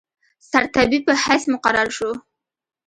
سرطبیب په حیث مقرر شو.